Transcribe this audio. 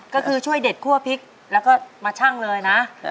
ก็คือช่วยเด็ดคั่วพริกแล้วก็มาชั่งเลยนะ